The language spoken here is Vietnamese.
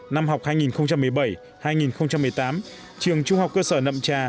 năm học hai nghìn một mươi bảy hai nghìn một mươi tám trường trung học cơ sở nậm trà